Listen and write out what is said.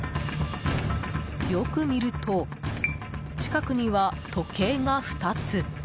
よく見ると近くには、時計が２つ。